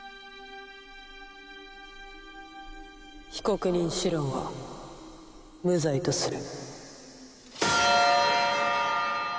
被告人シロンは無罪とする。